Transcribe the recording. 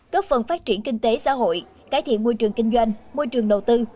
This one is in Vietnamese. cấp phần phát triển kinh tế xã hội cải thiện môi trường kinh doanh môi trường đầu tư